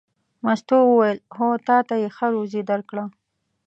مستو وویل: هو تا ته یې ښه روزي درکړه.